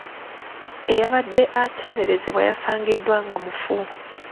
Eyabadde ateeberezebwa yasangiddwa nga mufu.